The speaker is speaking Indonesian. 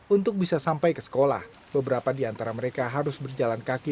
untuk bisa sampai ke sekolah beberapa di antara mereka harus berjalan kaki